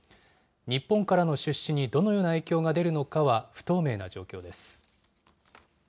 日本からの出資にどのような影響が出るのかは不透明な状況です。